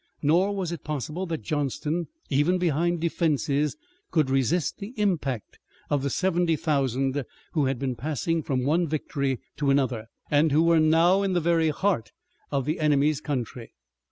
Nor was it possible that Johnston even behind defenses could resist the impact of the seventy thousand who had been passing from one victory to another, and who were now in the very heart of the enemy's country.